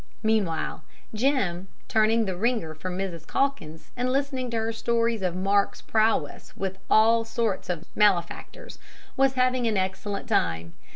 Meanwhile Jim, turning the wringer for Mrs. Calkins, and listening to her stories of "Mark's" prowess with all sorts of malefactors, was having an excellent time.